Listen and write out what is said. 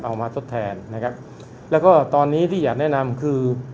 มาทดแทนนะครับแล้วก็ตอนนี้ที่อยากแนะนำคือ